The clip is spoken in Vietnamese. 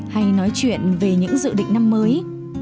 hay nói chuyện về những dự định năm mới